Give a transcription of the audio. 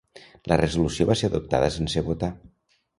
La resolució va ser adoptada sense votar.